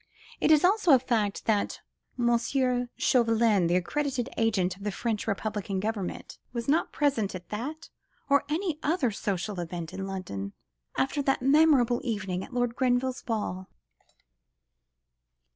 It is also a fact that M. Chauvelin, the accredited agent of the French Republican Government, was not present at that or any other social function in London, after that memorable evening at Lord Grenville's ball.